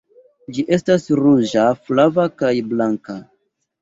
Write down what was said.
Ĝi estas ruĝa, flava, kaj blanka.